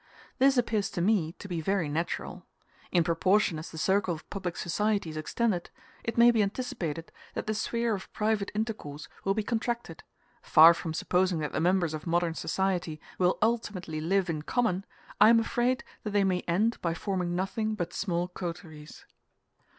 This appears to me to be very natural. In proportion as the circle of public society is extended, it may be anticipated that the sphere of private intercourse will be contracted; far from supposing that the members of modern society will ultimately live in common, I am afraid that they may end by forming nothing but small coteries.